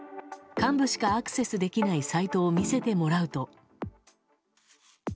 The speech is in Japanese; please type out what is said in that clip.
幹部しかアクセスできないサイトを見せてもらうと。